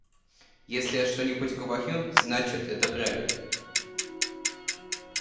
Если я что-нибудь говорю, значит, это правильно.